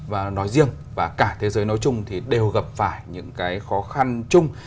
và nói riêng và cả thế giới nói chung thì đều gặp phải những cái khó khăn chung